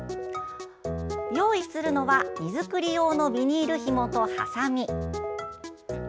用意するのは荷造り用のビニールひもと、はさみ。